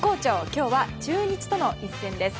今日は、中日との一戦です。